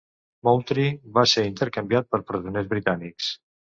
Moultrie va ser intercanviat per presoners britànics.